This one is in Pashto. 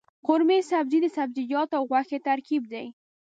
قورمه سبزي د سبزيجاتو او غوښې ترکیب دی.